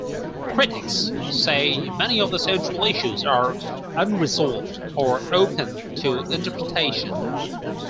Critics say many of the central issues are unresolved or open to interpretation.